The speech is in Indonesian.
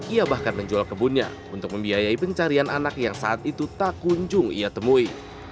ia bahkan menjual kebunnya untuk membiayai pencarian anak yang saat itu tak kunjung ia temui